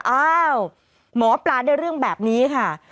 อ้าวหมอปลาได้เรื่องแบบนี้ค่ะ